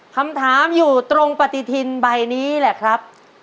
คำถามอยู่ตรงปฏิทินใบนี้แหละครับ